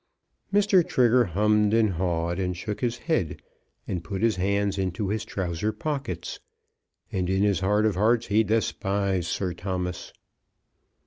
Mr. Trigger hummed and hawed, and shook his head, and put his hands into his trousers pockets; and in his heart of hearts he despised Sir Thomas.